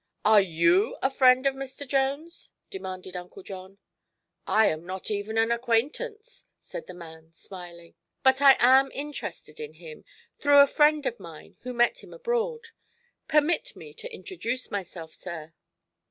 "Are you a friend of Mr. Jones?" demanded uncle John. "I am not even an acquaintance," said the man, smiling. "But I am interested in him, through a friend of mine who met him abroad. Permit me to introduce myself, sir."